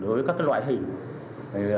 đối với các loại hình